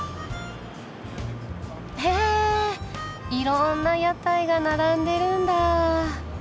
へえいろんな屋台が並んでるんだ。